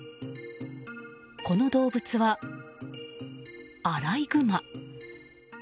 この動物は、アライグマ。